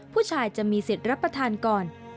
ผู้ชายจะมีสิทธิ์รับประทานก่อน